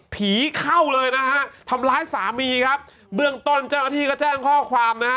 เข้าเลยนะฮะทำร้ายสามีครับเบื้องต้นเจ้าหน้าที่ก็แจ้งข้อความนะฮะ